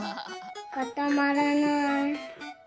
かたまらない。